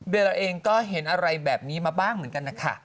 เราเองก็เห็นอะไรแบบนี้มาบ้างเหมือนกันนะคะ